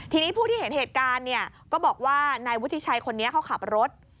ทีนี้ผู้ที่เห็นเหตุการณ์เนี่ยก็บอกว่านายวุฒิชัยคนนี้เขาขับรถ